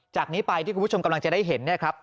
จากนี้ไปที่คุณผู้ชมกำลังจะได้เห็นเนี่ยครับ